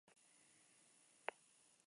Utilizó ambos nombres.